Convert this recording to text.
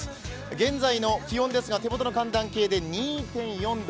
現在の気温ですが手元の寒暖計で２．４度。